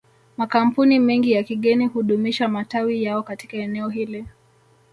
Makampuni mengi ya kigeni hudumisha matawi yao katika eneo hili